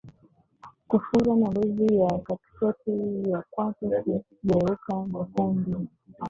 Kufura na ngozi ya katikati ya kwato kugeuka nyekundu